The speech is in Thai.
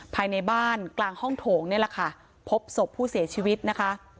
ภายในบ้านกลางห้องโถงนี่แหละค่ะพบศพผู้เสียชีวิตนะคะ